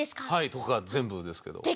はい。とか全部ですけど。